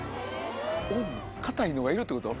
硬いのがいるってこと？